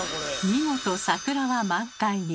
見事桜は満開に。